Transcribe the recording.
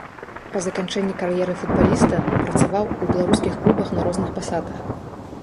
Па заканчэнні кар'еры футбаліста працаваў у беларускіх клубах на розных пасадах.